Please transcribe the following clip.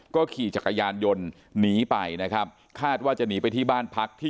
ก็ขี่จักรยานยนต์หนีไปนะครับคาดว่าจะหนีไปที่บ้านพักที่